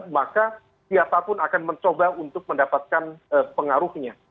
maka siapapun akan mencoba untuk mendapatkan pengaruhnya